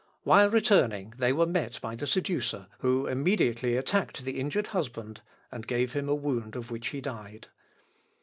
While returning they were met by the seducer, who immediately attacked the injured husband, and gave him a wound of which he died.